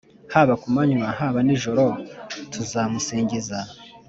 Haba kumanywa haba nijoro tuzamusingiza